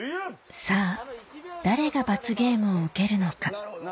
さぁ誰が罰ゲームを受けるのか？